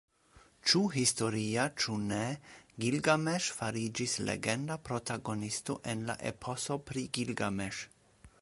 Ĉu historia, ĉu ne, Gilgameŝ fariĝis legenda protagonisto en la "Eposo pri Gilgameŝ".